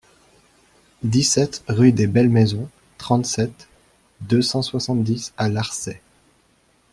dix-sept rue des Belles Maisons, trente-sept, deux cent soixante-dix à Larçay